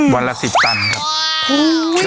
วันละ๑๐ตันครับ